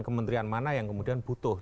kementerian mana yang kemudian butuh